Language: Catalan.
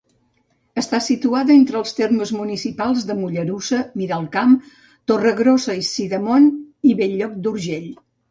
Està situada entre els termes municipals de Mollerussa, Miralcamp, Torregrossa i Sidamon i Bell-lloc d'Urgell.